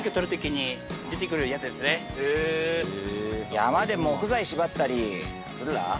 山で木材縛ったりするら。